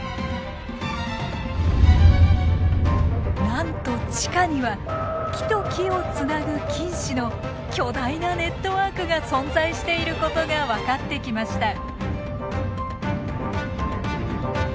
なんと地下には木と木をつなぐ菌糸の巨大なネットワークが存在していることが分かってきました。